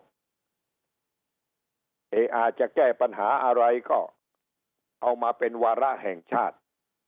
อาจจะแก้ปัญหาอะไรก็เอามาเป็นวาระแห่งชาติ